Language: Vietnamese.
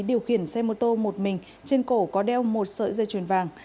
điều khiển xe mô tô một mình trên cổ có đeo một sợi dây chuyền vàng